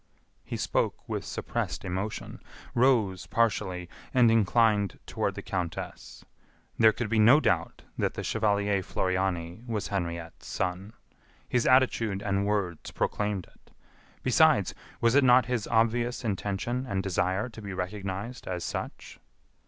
He spoke with suppressed emotion, rose partially and inclined toward the countess. There could be no doubt that the chevalier Floriani was Henriette's son. His attitude and words proclaimed it. Besides, was it not his obvious intention and desire to be recognized as such?